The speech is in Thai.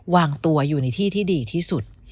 วางตัวอยู่ในที่ที่ดีที่สุด